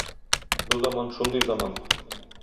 Бу заман шундый заман